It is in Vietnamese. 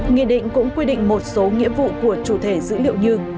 nghị định cũng quy định một số nghĩa vụ của chủ thể dữ liệu như